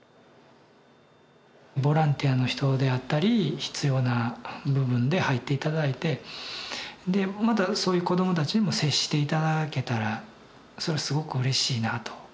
ボランティアの人であったり必要な部分で入って頂いてでまたそういう子どもたちにも接して頂けたらそれすごくうれしいなと。